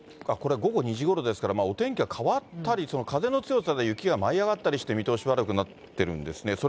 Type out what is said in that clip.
これ、ごご２時ごろですから、変わったり、風の強さで雪が舞い上がったりして見通し悪くなってるんですね。